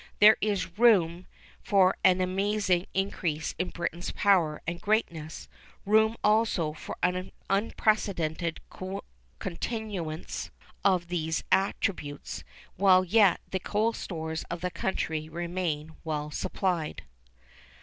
There is room for an amazing increase in Britain's power and greatness, room also for an unprecedented continuance of these attributes, while yet the coal stores of the country remain well supplied.